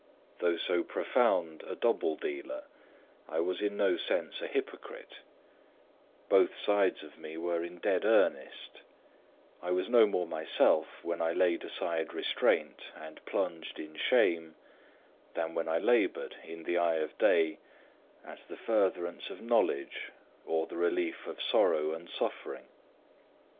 Though so profound a double dealer, I was in no sense a hypocrite; both sides of me were in dead earnest; I was no more myself when I laid aside restraint and plunged in shame, than when I laboured, in the eye of day, at the furtherance of knowledge or the relief of sorrow and suffering.